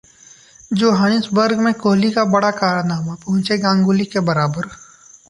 Johannesburg में कोहली का बड़ा कारनामा, पहुंचे गांगुली के बराबर